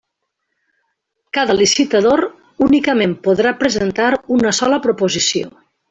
Cada licitador únicament podrà presentar una sola proposició.